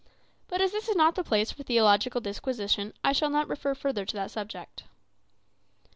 But as this is not the place for theological disquisition, I shall not refer further to that subject.